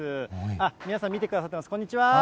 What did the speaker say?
あっ、皆さん見てくださってます、こんにちはー！